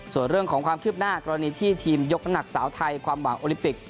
ส่วนเรื่องของความคืบหน้ากรณีที่ทีมยกน้ำหนักสาวไทยความหวังโอลิปิก